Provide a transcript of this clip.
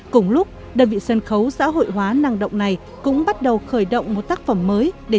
cùng lúc đơn vị sân khấu xã hội hóa năng động này cũng bắt đầu khởi động một tác phẩm mới để